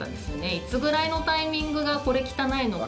いつぐらいのタイミングがこれ、汚いのか